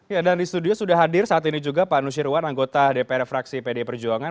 ya dan di studio sudah hadir saat ini juga pak nusirwan anggota dpr fraksi pd perjuangan